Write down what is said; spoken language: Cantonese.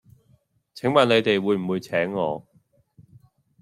請問你哋會唔會請我?